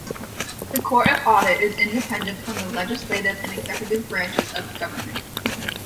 The Court of Audit is independent from the legislative and executive branches of Government.